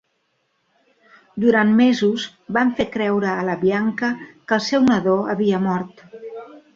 Durant mesos van fer creure a la Bianca que el seu nadó havia mort.